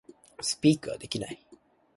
Speak ができない